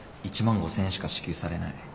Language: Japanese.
１万５，０００円しか支給されない。